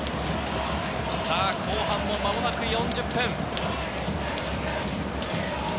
後半も間もなく４０分。